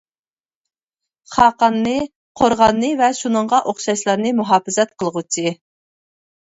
خاقاننى، قورغاننى ۋە شۇنىڭغا ئوخشاشلارنى مۇھاپىزەت قىلغۇچى.